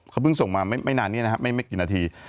เขาเพิ่งส่งมาไม่นานนี้นะครับไม่กี่นาที